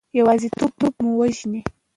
یوازیتوب مو وژني.